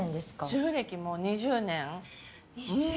主婦歴もう２０年。